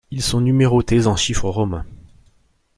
Ils sont numérotés en chiffres romains.